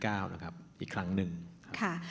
เพราะฉะนั้นเราทำกันเนี่ย